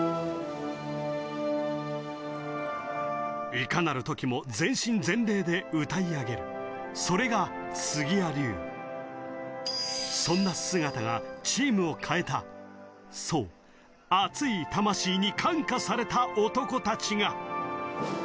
いかなる時も全身全霊で歌い上げるそれが杉谷流そんな姿がチームを変えたそう熱い魂に